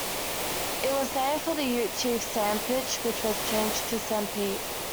It was named for the Ute chief Sanpitch, which was changed to Sanpete.